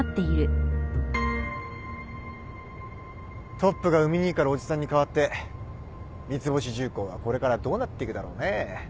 トップが海兄から叔父さんに代わって三ツ星重工はこれからどうなっていくだろうねぇ。